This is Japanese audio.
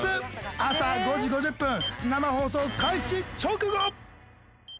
朝５時５０分生放送開始直後。